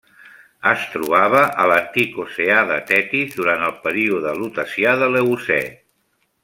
Es trobava a l'antic oceà de Tetis durant el període Lutecià de l'Eocè.